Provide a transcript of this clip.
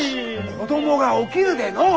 子供が起きるでのう！